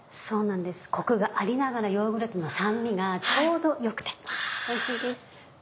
コクがありながらヨーグルトの酸味がちょうどよくておいしいです。